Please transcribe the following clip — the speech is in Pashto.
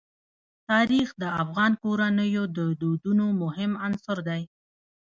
تاریخ د افغان کورنیو د دودونو مهم عنصر دی.